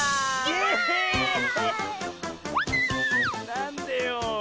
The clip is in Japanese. なんでよ。